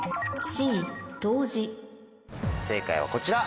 正解はこちら。